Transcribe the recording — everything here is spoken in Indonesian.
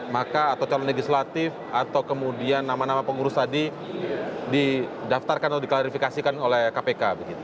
maka atau calon legislatif atau kemudian nama nama pengurus tadi didaftarkan atau diklarifikasikan oleh kpk